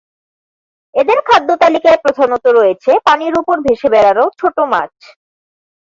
এদের খাদ্যতালিকায় প্রধানত রয়েছে পানির উপর ভেসে বেড়ানো ছোট মাছ।